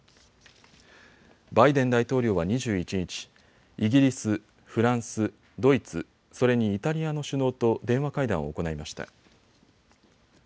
バイデン大統領は２１日、イギリス、フランス、ドイツ、それにイタリアの首脳と電話会談を行いました。